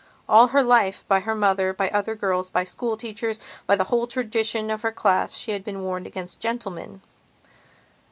All her life, by her mother, by other girls, by schoolteachers, by the whole tradition of her class she had been warned against gentlemen.